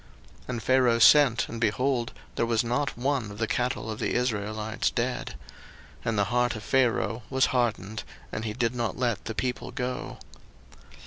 02:009:007 And Pharaoh sent, and, behold, there was not one of the cattle of the Israelites dead. And the heart of Pharaoh was hardened, and he did not let the people go.